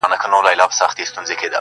بدراتلونکی دې مستانه حال کي کړې بدل